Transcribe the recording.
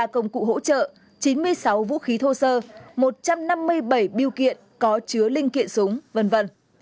ba công cụ hỗ trợ chín mươi sáu vũ khí thô sơ một trăm năm mươi bảy biêu kiện có chứa linh kiện súng v v